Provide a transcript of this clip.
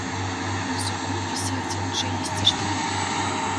На суку вісяць чыесьці штаны.